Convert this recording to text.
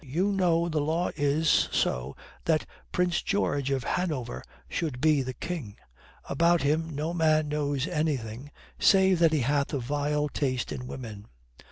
You know the law is so that Prince George of Hanover should be the King. About him no man knows anything save that he hath a vile taste in women.